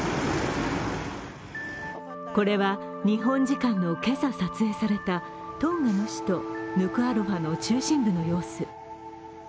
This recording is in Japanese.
これは、日本時間の今朝撮影されたトンガの首都ヌクアロファの中心部の様子。